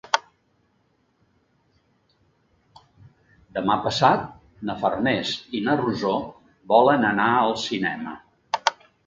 Demà passat na Farners i na Rosó volen anar al cinema.